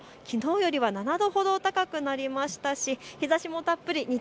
きのうよりは７度ほど高くなりましたし日ざしもたっぷり。